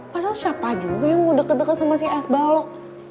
padahal siapa juga yang mau deket deket sama si es balok